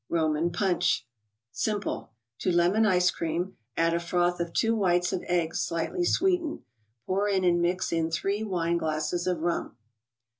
aHomatt puncl). Simple: To lemon ice cream, add a froth of two whites of eggs, slightly sweetened. Pour in and mix in three wine glasses of rum.